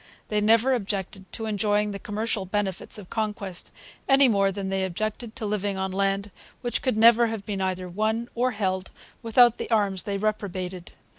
They never objected to enjoying the commercial benefits of conquest; any more than they objected to living on land which could never have been either won or held without the arms they reprobated.